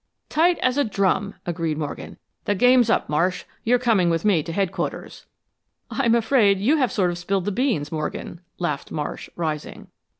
"Tight as a drum!" agreed Morgan. "The game's up, Marsh. You're coming with me to Headquarters." "I'm afraid you have sort of spilled the beans, Morgan," laughed Marsh, rising.